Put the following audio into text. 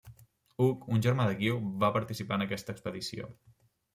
Hug, un germà de Guiu, va participar en aquesta expedició.